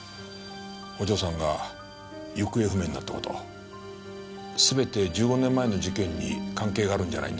お嬢さんが行方不明になった事全て１５年前の事件に関係があるんじゃないんですか？